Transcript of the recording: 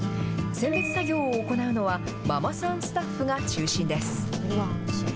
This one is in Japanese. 選別作業を行うのは、ママさんスタッフが中心です。